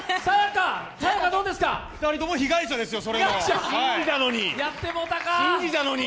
２人とも被害者ですよ、それの。